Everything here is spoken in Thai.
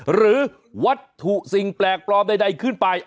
หรือวัตถุสิ่งแปลกปลอมใดขึ้นไป